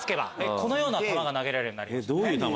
このような球が投げられるようになりました。